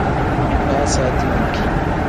Baa saati wenki.